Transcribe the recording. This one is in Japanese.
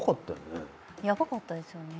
ヤバかったですよね。